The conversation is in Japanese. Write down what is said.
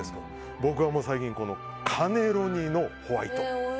僕は最近カネロニのホワイト。